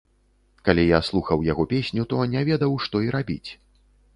Калі я слухаў яго песню, то не ведаў, што і рабіць.